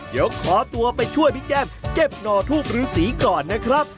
เดี๋ยวขอตัวไปช่วยพี่แก้มเก็บหน่อทูบฤษีก่อนนะครับ